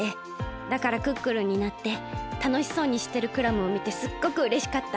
だからクックルンになってたのしそうにしてるクラムをみてすっごくうれしかった。